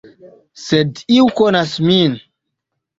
Sed iu konas min.